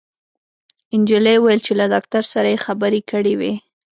انجلۍ وويل چې له داکتر سره يې خبرې کړې وې